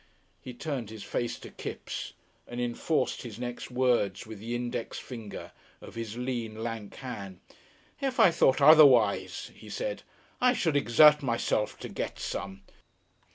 He turned his face to Kipps and enforced his next words with the index finger of his lean, lank hand. "If I thought otherwise," he said, "I should exert myself to get some.